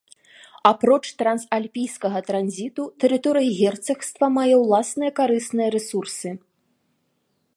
Апроч трансальпійскага транзіту, тэрыторыя герцагства мае ўласныя карысныя рэсурсы.